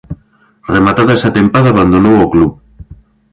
Rematada esa tempada abandonou o club.